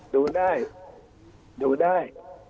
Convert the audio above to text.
ดูได้ดูได้